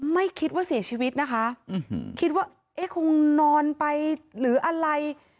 ไม่คิดว่าเสียชีวิตนะคะคิดว่าเอ๊ะคงนอนไปหรืออะไร